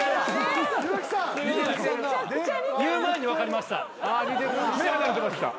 言う前に分かりました。